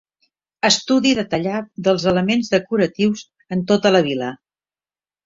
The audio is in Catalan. Estudi detallat dels elements decoratius en tota la vil·la.